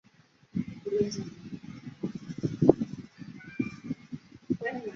列斯联服务帮是一个由英格兰球会列斯联有关连的球迷所组成的足球流氓组织。